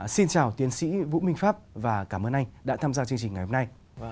xin chào tiến sĩ vũ minh pháp và cảm ơn anh đã tham gia chương trình ngày hôm nay